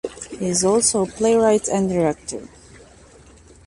He is also a playwright and director.